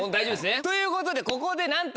ということでここでなんと。